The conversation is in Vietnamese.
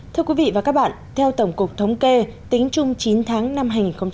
thưa quý vị và các bạn theo tổng cục thống kê tính chung chín tháng năm hai nghìn một mươi chín